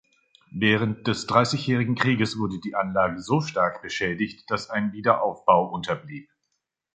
Während des Dreißigjährigen Krieges wurde die Anlage so stark beschädigt, dass ein Wiederaufbau unterblieb.